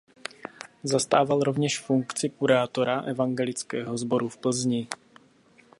Zastával rovněž funkci kurátora evangelického sboru v Plzni.